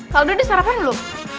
kalo gue udah sarapan dulu